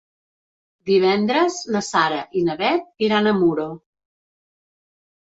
Divendres na Sara i na Bet iran a Muro.